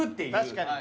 ・確かに。